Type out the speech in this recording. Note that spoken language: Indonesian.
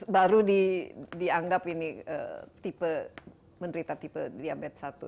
baru dianggap ini tipe menderita tipe diabetes satu